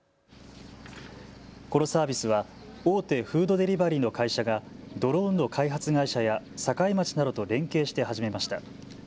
このサービスは大手フードデリバリーの会社がドローンの開発会社や境町などと連携して始めました。